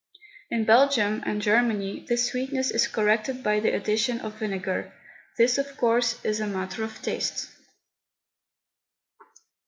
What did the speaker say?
In Belgium and Germany this sweetness is corrected by the addition of vinegar. This, of course, is a matter of taste.